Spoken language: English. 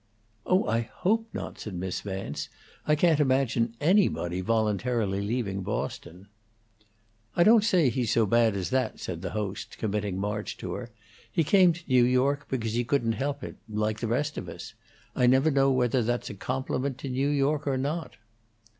"Oh, I hope not!" said Miss Vance. "I can't imagine anybody voluntarily leaving Boston." "I don't say he's so bad as that," said the host, committing March to her. "He came to New York because he couldn't help it like the rest of us. I never know whether that's a compliment to New York or not."